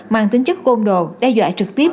mang tính chất côn đồ đe dọa trực tiếp